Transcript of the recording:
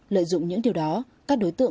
lợi dụng những điều đó